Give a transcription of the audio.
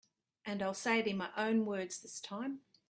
And I'll say it in my own words this time.